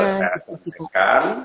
saya akan menekan